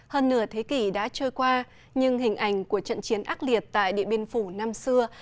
hơn nửa thế kỷ đã trôi qua nhưng hình ảnh của trận chiến ác liệt tại điện biên phủ năm xưa